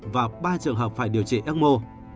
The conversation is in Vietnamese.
và ba trường hợp phải điều trị ecmo